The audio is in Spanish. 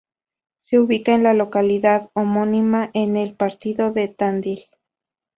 Se ubica en la localidad homónima, en el Partido de Tandil.